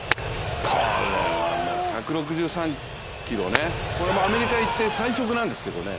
これはもう１６３キロ、これもアメリカ行って最速なんですけどね。